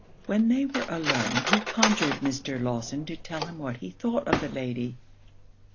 When they were alone, he conjured Mr. Lawson to tell him what he thought of the lady?